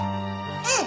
うん。